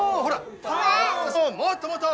もっともっと！